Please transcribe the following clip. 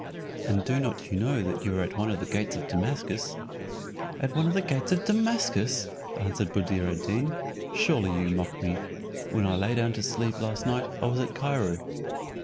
and do not you know that you are at one of the gates of Damascus?" "At one of the gates of Damascus!" answered Buddir ad Deen, "surely you mock me. When I lay down to sleep last night I was at Cairo."